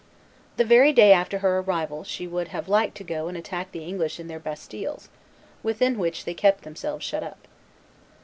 The very day after her arrival she would have liked to go and attack the English in their bastilles, within which they kept themselves shut up.